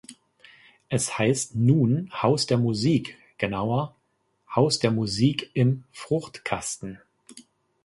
Es heißt nun Haus der Musik, genauer 'Haus der Musik im Fruchtkasten'.